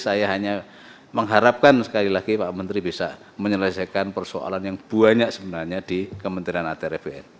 saya hanya mengharapkan sekali lagi pak menteri bisa menyelesaikan persoalan yang banyak sebenarnya di kementerian atrf